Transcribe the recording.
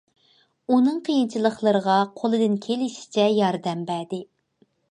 ئۇنىڭ قىيىنچىلىقلىرىغا قولىدىن كېلىشىچە ياردەم بەردى.